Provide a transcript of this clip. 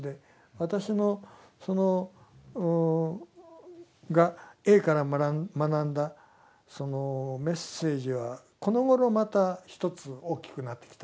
私がＡから学んだそのメッセージはこのごろまた一つ大きくなってきたんです。